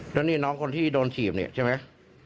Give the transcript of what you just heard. แล้วนี่น้องคนที่โดนถีบเนี่ยใช่ไหม